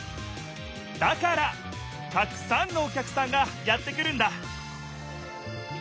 だからたくさんのお客さんがやってくるんだ！